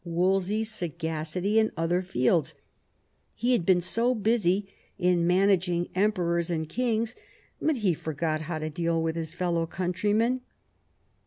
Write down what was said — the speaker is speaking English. Wolsey's sagacity in other fields ; he had been so busy in managing emperors and kings that he had forgotten how to deal with his fellow countrymen.